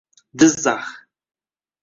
Jizzax